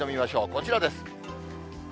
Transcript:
こちらです。